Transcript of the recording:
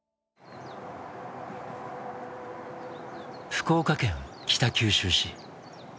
福岡県北九州市。